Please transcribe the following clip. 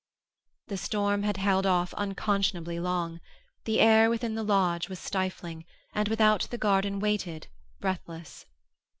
The storm had held off unconscionably long; the air within the lodge was stifling, and without the garden waited, breathless.